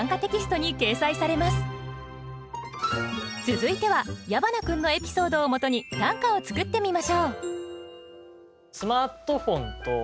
続いては矢花君のエピソードをもとに短歌を作ってみましょう。